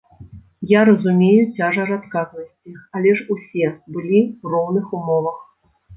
Я разумею цяжар адказнасці, але ж усе былі ў роўных умовах.